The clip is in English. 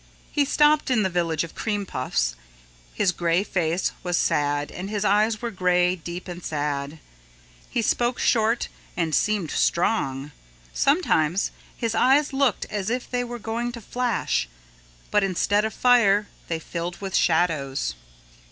He stopped in the Village of Cream Puffs. His gray face was sad and his eyes were gray deep and sad. He spoke short and seemed strong. Sometimes his eyes looked as if they were going to flash, but instead of fire they filled with shadows.